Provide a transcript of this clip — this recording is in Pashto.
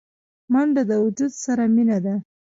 منډه د وجود سره مینه ده